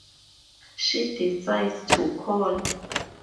She decides to call.